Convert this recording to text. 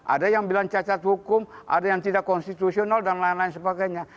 ada yang bilang cacat hukum ada yang tidak konstitusional dan lain lain sebagainya